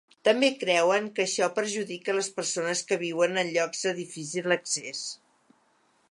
També creuen que això perjudica les persones que viuen en llocs de difícil accés.